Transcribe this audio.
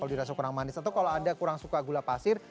kalau dirasa kurang manis atau kalau anda kurang suka gula pasir